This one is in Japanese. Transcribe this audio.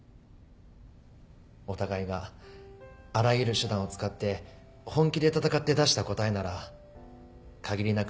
お互いがあらゆる手段を使って本気で戦って出した答えなら限りなく